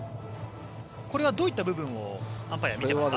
これはどういった部分をアンパイアは見ていますか？